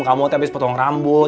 kamu tuh abis potong rambut